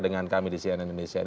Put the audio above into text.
dengan kami di cnn indonesia